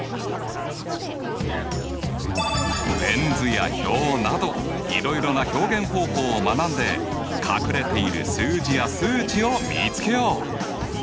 ベン図や表などいろいろな表現方法を学んで隠れている数字や数値を見つけよう。